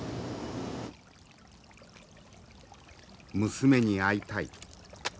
「娘に会いたい」。